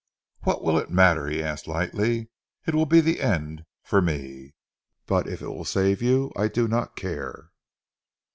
"What will it matter?" he asked lightly. "It will be the end for me. But if it will save you, I do not care."